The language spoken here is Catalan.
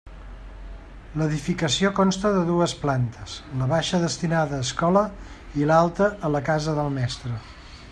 L'edificació consta de dues plantes, la baixa destinada a escola i l'alta a la casa del mestre.